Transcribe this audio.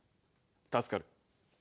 助かる。